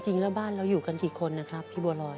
บ้านเราอยู่กันกี่คนนะครับพี่บัวรอย